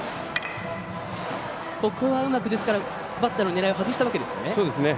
ここはうまくバッターの狙いをはずしたわけですね。